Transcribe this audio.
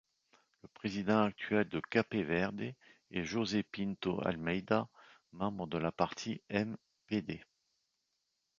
Le président actuel de Cape-Verde est José Pinto Almeida, membre de la partie MpD.